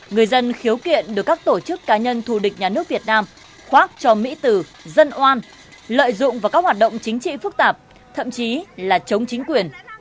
người dân khiếu kiện được các tổ chức cá nhân thù địch nhà nước việt nam khoác cho mỹ từ dân oan lợi dụng vào các hoạt động chính trị phức tạp thậm chí là chống chính quyền